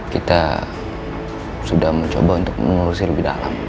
kita sudah mencoba untuk mengurusi lebih dalam